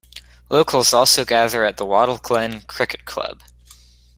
Locals also gather at the Wattle Glen Cricket Club.